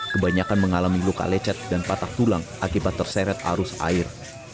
kebanyakan mengalami luka lecet dan patah tulang akibat terseret arus air